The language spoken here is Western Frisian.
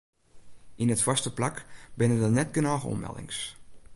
Yn it foarste plak binne der net genôch oanmeldings.